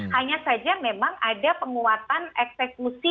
hanya saja memang ada penguatan eksekusi